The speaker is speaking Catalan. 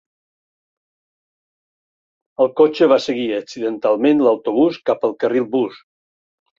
El cotxe va seguir accidentalment l'autobús cap al carril bus.